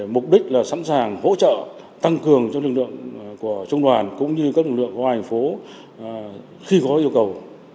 mục đích là sẵn sàng hỗ trợ tăng cường cho lực lượng của trung đoàn cũng như các lực lượng hoa hành phố khi có yêu cầu